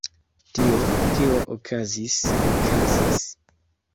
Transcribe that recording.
Tio, kio okazis, okazis.